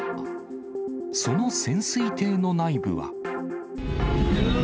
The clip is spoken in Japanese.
その潜水艇の内部は。